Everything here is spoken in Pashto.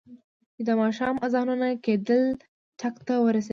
چې د ماښام اذانونه کېدل، ټک ته ورسېدم.